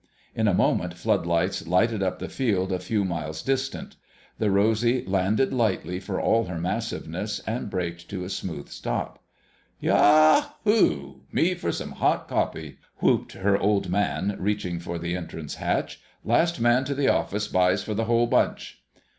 In a moment floodlights lighted up the field a few miles distant. The Rosy landed lightly for all her massiveness, and braked to a smooth stop. "Yahoo! Me for some hot coffee!" whooped her Old Man, reaching for the entrance hatch. "Last man to the office buys for the whole bunch!"